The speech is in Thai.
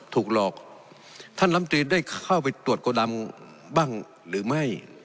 ถูกหลอกท่านลำตรีได้เข้าไปตรวจโกดังบ้างหรือไม่